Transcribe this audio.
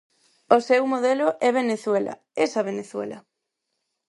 O seu modelo é Venezuela, esa Venezuela.